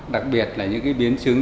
đặc biệt là những biến chứng nặng